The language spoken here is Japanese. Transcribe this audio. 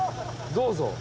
どうぞ。